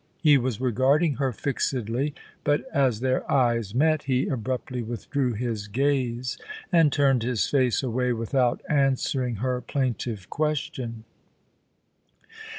He was regarding her fixedly, but as their eyes met, he abruptly withdrew his gaze ; and turned his face away with out answering her plaintive question.